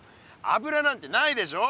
油なんてないでしょ。